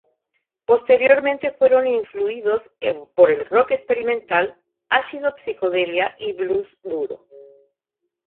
Posteriormente fueron influidos por el rock experimental, ácido, psicodelia, y blues duro.